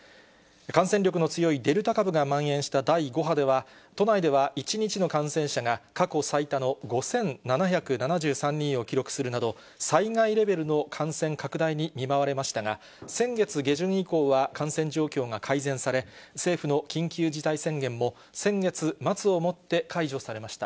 感染力の強いデルタ株がまん延した第５波では、都内では１日の感染者が、過去最多の５７７３人を記録するなど、災害レベルの感染拡大に見舞われましたが、先月下旬以降は感染状況が改善され、政府の緊急事態宣言も、先月末をもって解除されました。